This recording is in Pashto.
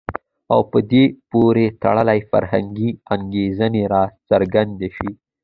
او په دې پورې تړلي فرهنګي انګېرنې راڅرګندې شي.